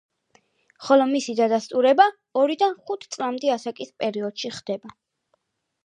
ხოლო მისი დადასტურება ორიდან ხუთ წლამდე ასაკის პერიოდში ხდება.